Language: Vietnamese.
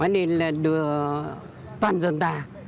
nên là đưa toàn dân ta